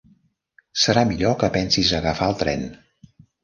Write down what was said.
Serà millor que pensis a agafar el tren.